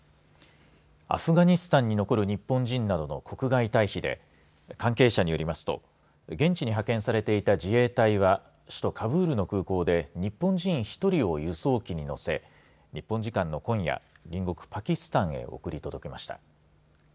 アフガニスタンに残る日本人などの国外退避で関係者によりますと現地に派遣されていた自衛隊は首都カブールの空港で日本人１人を輸送機に乗せ日本時間の今夜隣国パキスタンへ送り届けました。